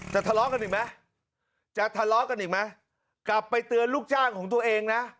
ทะเลาะกันอีกไหมจะทะเลาะกันอีกไหมกลับไปเตือนลูกจ้างของตัวเองนะ